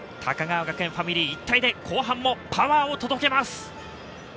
高川学園ファミリー、一体で後半もパワーを届けます。